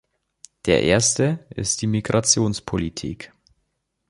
Der erste ist die Migrationspolitik.